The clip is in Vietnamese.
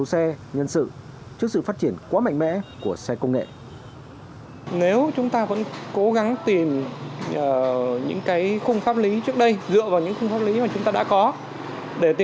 sẽ căn cứ vào chương trình kế hoạch cụ thể của đơn vị